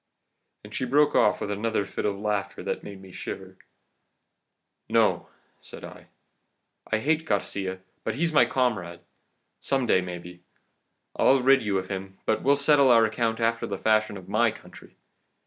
"And she broke off with another fit of laughter that made me shiver. "'No,' said I, 'I hate Garcia, but he's my comrade. Some day, maybe, I'll rid you of him, but we'll settle our account after the fashion of my country.